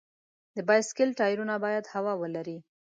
د بایسکل ټایرونه باید هوا ولري.